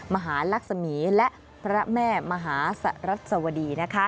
มหาลักษมีและพระแม่มหาสรัสวดีนะคะ